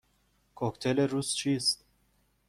کوکتل روز چیست؟